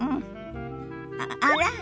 あら？